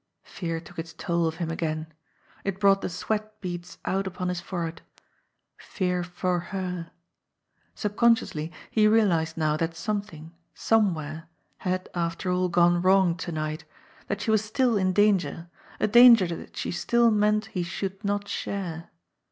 Fear took its toll of him again. It brought the sweat beads out upon his forehead. Fear for her. Subconsciously he realised now that something, somewhere, had, after all, gone wrong to night; that she was still in danger, a danger that she still meant he should not share